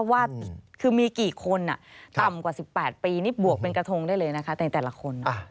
ว่าคือมีกี่คนต่ำกว่า๑๘ปีนี่บวกเป็นกระทงได้เลยนะคะในแต่ละคน